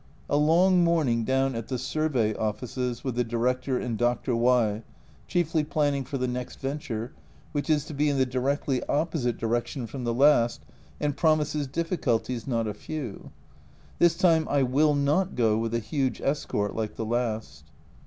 A long morning down at the Survey Offices with the Director and Dr. Y , chiefly planning for the next venture, which is to be in the directly opposite direction from the last, and promises difficulties not a few. This time I mill not go with a huge escort like the last.